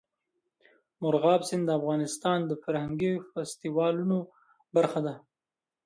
مورغاب سیند د افغانستان د فرهنګي فستیوالونو برخه ده.